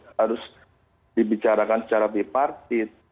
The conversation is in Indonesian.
harus dibicarakan secara tripartit